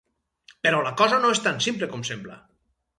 Però la cosa no és tan simple com sembla.